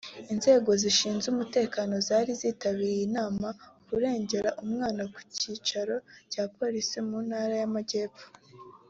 Inzego zishinzwe umutekano zari zitabiriye inama ku kurengera umwana ku cyicaro cya Polisi mu Ntara y’Amajyepfo